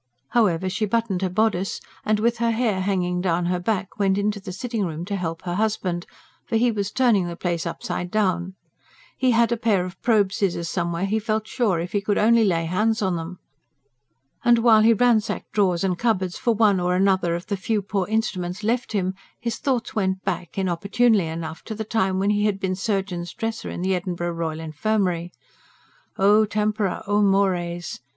However she buttoned her bodice, and with her hair hanging down her back went into the sitting room to help her husband; for he was turning the place upside down. He had a pair of probe scissors somewhere, he felt sure, if he could only lay hands on them. And while he ransacked drawers and cupboards for one or other of the few poor instruments left him, his thoughts went back, inopportunely enough, to the time when he had been surgeon's dresser in the Edinburgh Royal Infirmary. O TEMPORA, O MORES!